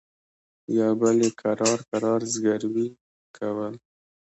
يوه بل يې کرار کرار زګيروي کول.